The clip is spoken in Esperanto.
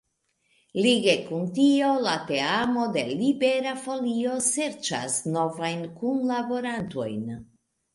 Lige kun tio, la teamo de Libera Folio serĉas novajn kunlaborantojn.